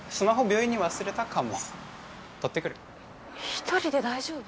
１人で大丈夫？